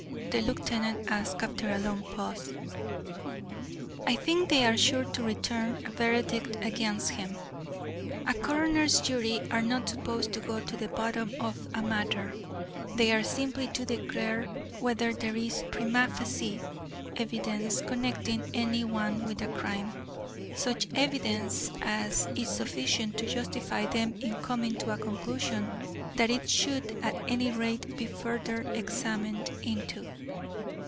the lieutenant asked after a long pause. "I think they are sure to return a verdict against him. A coroner's jury are not supposed to go to the bottom of a matter; they are simply to declare whether there is primâ facie evidence connecting any one with a crime; such evidence as is sufficient to justify them in coming to a conclusion that it should at any rate be further examined into.